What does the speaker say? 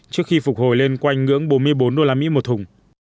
trước khi phục hồi lên quanh ngưỡng bốn mươi bốn usd một thùng